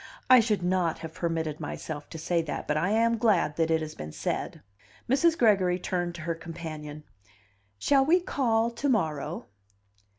"I should not have permitted myself to say that, but I am glad that it has been said." Mrs. Gregory turned to her companion. "Shall we call to morrow?"